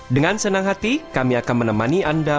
dengan senang hati kami akan menemani anda